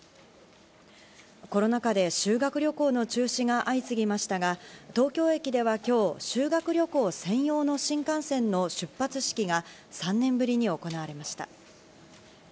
コロナ禍で修学旅行の中止が相次ぎましたが、東京駅では今日、修学旅行専用の新幹線の出発式が３年ぶりに行われました。